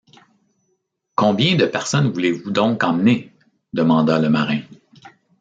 Combien de personnes voulez-vous donc emmener ? demanda le marin.